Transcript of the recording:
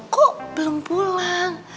kok belum pulang